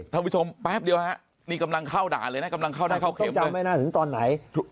ทำวิชมแป๊บเดียวนะนี่กำลังเข้าด่านเลยนะตอนไหน